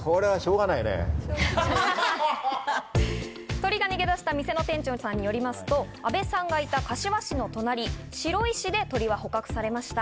鳥が逃げ出した店の店長さんによりますと阿部さんがいた柏市の隣、白井市で鳥は捕獲されました。